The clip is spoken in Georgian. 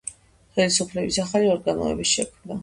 ხელისუფლების ახალი ორგანოების შექმნა.